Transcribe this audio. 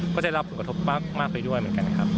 ก็ได้รับผลกระทบมากไปด้วยเหมือนกันครับ